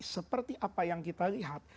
seperti apa yang kita lihat